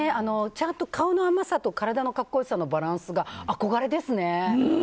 ちゃんと顔の甘さと体の格好良さのバランスが憧れですね。